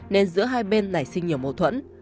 nên giữa hai bên nảy sinh nhiều mâu thuẫn